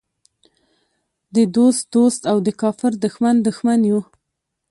د دوست دوست او د کافر دښمن دښمن یو.